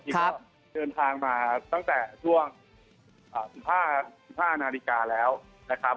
ครับเผื่อทางมาตั้งแต่ช่วงอ่าสิบห้าสิบห้านาฬิกาแล้วนะครับ